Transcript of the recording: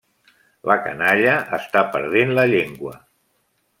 La canalla està perdent la llengua.